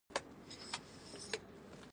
ددې برعکس بابا خپل يو ناخوښه شاګرد ته